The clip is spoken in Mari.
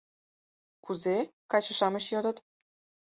— Кузе? — каче-шамыч йодыт.